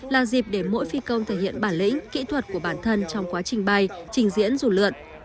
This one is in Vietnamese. là dịp để mỗi phi công thể hiện bản lĩnh kỹ thuật của bản thân trong quá trình bay trình diễn rủ lượn